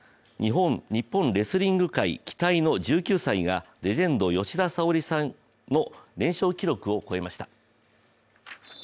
日本レスリング界期待の１９歳がレジェンド吉田沙保里さんの連勝記録を超えました。